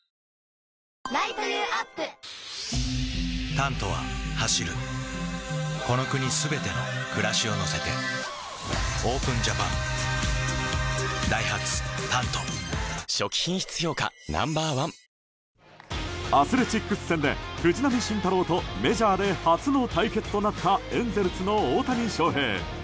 「タント」は走るこの国すべての暮らしを乗せてＯＰＥＮＪＡＰＡＮダイハツ「タント」初期品質評価ＮＯ．１アスレチックス戦で藤浪晋太郎とメジャーで初の対決となったエンゼルスの大谷翔平。